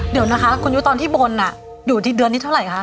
เดี๋ยวนะคะคุณอยู่ตอนที่บนอ่ะอยู่ที่เดือนนี้เท่าไรคะ